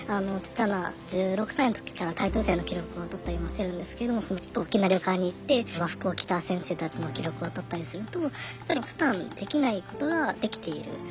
ちっちゃな１６歳の時からタイトル戦の記録をとったりもしてるんですけども大きな旅館に行って和服を着た先生たちの記録をとったりするとやっぱりふだんできないことができている。